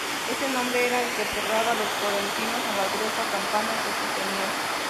Este nombre era el que otorgaban los florentinos a la gruesa campana que sostenía.